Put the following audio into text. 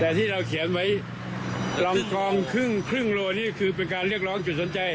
แต่ที่เราเขียนไว้ลองกองครึ่งครึ่งโลนี่คือเป็นการเรียกร้องจุดสนใจ